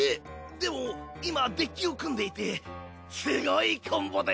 でも今デッキを組んでいてすごいコンボで。